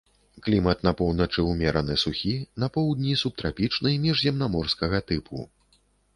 Клімат на поўначы ўмераны, сухі, на поўдні субтрапічны міжземнаморскага тыпу.